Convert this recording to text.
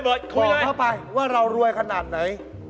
บอกพ่อไปว่าเรารวยขนาดไหน